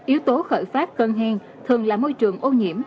yếu tố khởi pháp cân hen thường là môi trường ô nhiễm